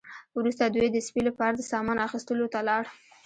وروسته دوی د سپي لپاره د سامان اخیستلو ته لاړل